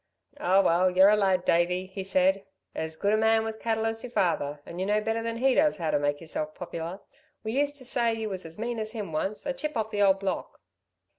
"Oh well you're a lad, Davey," he said. "As good a man with cattle as your father, and you know better than he does how to make yourself popular. We used to say you was as mean as him once a chip of the old block."